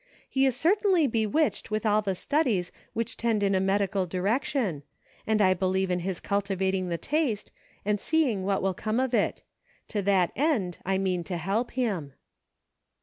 He is certainly bewitched with all the studies which tend in a medical direc tion ; and I believe in his cultivating the taste, and seeing what will come of it. To that end I mean to help him."